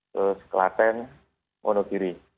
terus klaten monogiri